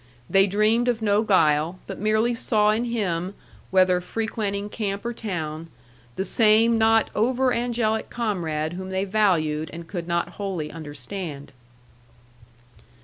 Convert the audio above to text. They dreamed of no guile, but merely saw in him, whether frequenting camp or town, the same not over angelic comrade whom they valued and could not wholly understand.